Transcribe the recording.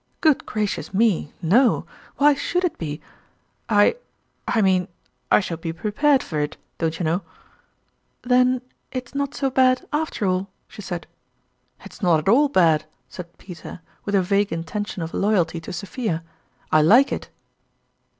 " Good gracious me, no ! Why should it be ? I I mean, I shall be prepared for it, don't you know ?"" Then it's not so bad, after all ?" she said. " It's not at all bad !" said Peter, with a vague intention of loyalty to Sophia. " I like it!"